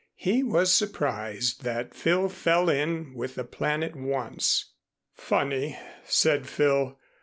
He was surprised that Phil fell in with the plan at once. "Funny," said Phil.